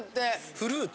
フルーツ。